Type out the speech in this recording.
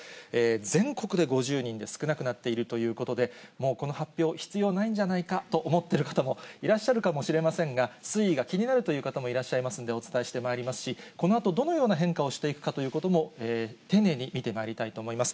全国で５０人で少なくなっているということで、もうこの発表、必要ないんじゃないかと思っている方もいらっしゃるかもしれませんが、推移が気になるという方もいらっしゃいますので、お伝えしてまいりますし、このあと、どのような変化をしていくかということも、丁寧に見てまいりたいと思います。